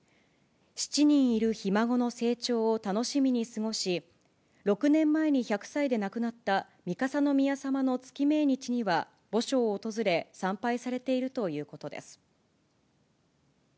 ７人いるひ孫の成長を楽しみに過ごし、６年前に１００歳で亡くなった三笠宮さまの月命日には、墓所を訪れ、参拝されているということです。